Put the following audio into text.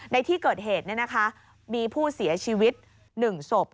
ในที่เกิดเหตุมีผู้เสียชีวิต๑ศพ